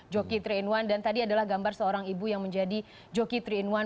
joki tiga in satu dan tadi adalah gambar seorang ibu yang menjadi joki tiga in satu